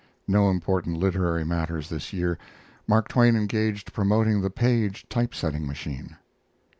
(No important literary matters this year. Mark Twain engaged promoting the Paige typesetting machine.)